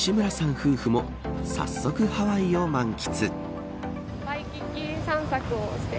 夫婦も早速、ハワイを満喫。